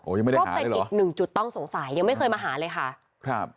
ยังไม่ได้ก็เป็นอีกหนึ่งจุดต้องสงสัยยังไม่เคยมาหาเลยค่ะครับ